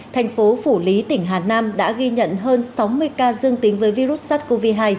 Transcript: thành phố phủ lý tỉnh hà nam đã ghi nhận hơn sáu mươi ca dương tính với virus sars cov hai